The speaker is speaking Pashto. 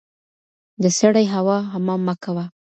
د سړې هوا حمام مه کوه